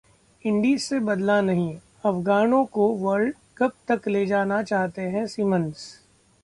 Indies से बदला नहीं, अफगानों को वर्ल्ड कप तक ले जाना चाहते हैं सिमंस